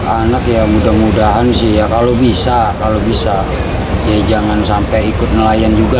anak ya mudah mudahan sih ya kalau bisa kalau bisa ya jangan sampai ikut nelayan juga